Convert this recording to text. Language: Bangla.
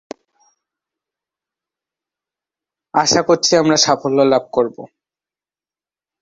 আশা করছি আমরা সাফল্য লাভ করবো।""